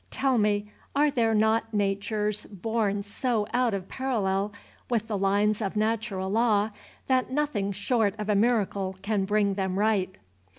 Tell me, are there not natures born so out of parallel with the lines of natural law that nothing short of a miracle can bring them right?"